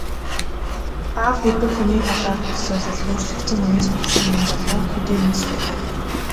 Аав гэдэг хүний талаарх төсөөлөл өөрчлөгдсөн үеэс болсон юм болов уу, хэдийнээс вэ?